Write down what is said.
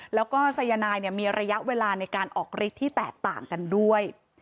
แล้วก็สายนายมีระยะเวลาในการออกฤทธิ์ที่แตกต่างกันด้วย